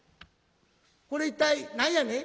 「これ一体何やね？」。